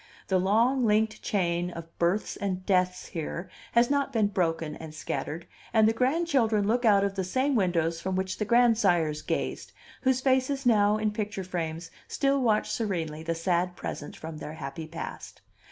The long linked chain of births and deaths here has not been broken and scattered, and the grandchildren look out of the same windows from which the grandsires gazed, whose faces now in picture frames still watch serenely the sad present from their happy past.